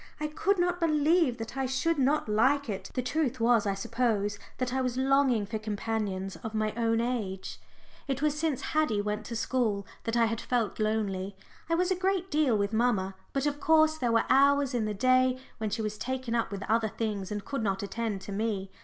I could not believe that I should not like it. The truth was, I suppose, that I was longing for companions of my own age. It was since Haddie went to school that I had felt lonely. I was a great deal with mamma, but of course there were hours in the day when she was taken up with other things and could not attend to me.